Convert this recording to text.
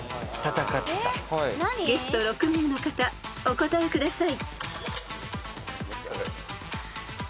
［ゲスト６名の方お答えください］